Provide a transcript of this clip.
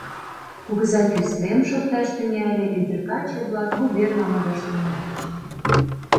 Кугыза кӱслем шокташ тӱҥале, ӱдыр-каче-влак вуверла модаш тӱҥальыч.